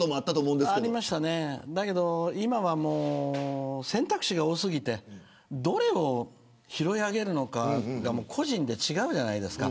でも、今選択肢が多過ぎてどれを拾い上げるのかが個人で違うじゃないですか。